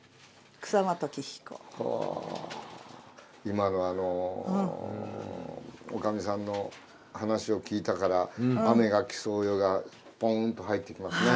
今の女将さんの話を聞いたから「雨が来さうよ」がポンと入ってきますね。